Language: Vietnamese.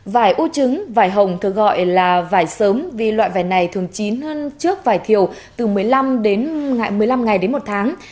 vải u trứng vải hồng thường gọi là vải sớm vì loại vải này thường chín hơn trước vải thiều từ một mươi năm ngày đến một tháng